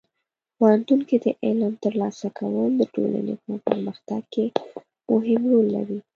پوهنتون کې د علم ترلاسه کول د ټولنې په پرمختګ کې مهم رول لري.